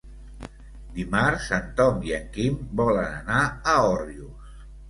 Dimarts en Tom i en Quim volen anar a Òrrius.